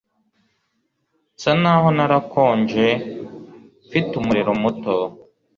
Nsa naho narakonje Mfite umuriro muto